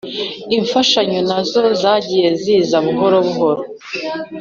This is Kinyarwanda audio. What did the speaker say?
imfashanyonazo zagiye ziza buhoro buhoro